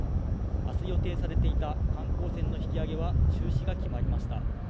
あす予定されていた観光船の引き揚げは中止が決まりました。